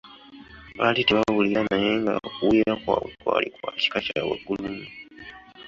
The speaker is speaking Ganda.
Baali tebawulira naye nga okuwulira kwabwe kwali kwa kika kya waggulu nnyo.